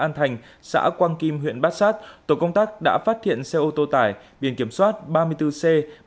an thành xã quang kim huyện bát sát tổ công tác đã phát hiện xe ô tô tải biển kiểm soát ba mươi bốn c ba mươi năm nghìn tám trăm năm mươi bảy